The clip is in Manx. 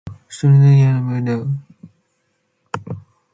Stiagh er yn ellan Kitterland.